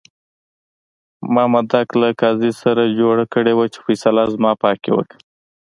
مامدک له قاضي سره جوړه کړې وه چې فیصله زما په حق کې وکړه.